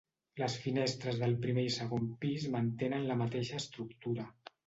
Les finestres del primer i segon pis mantenen la mateixa estructura.